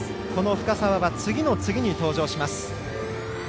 深沢は次の次に登場します。